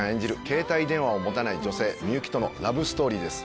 携帯電話を持たない女性みゆきとのラブストーリーです。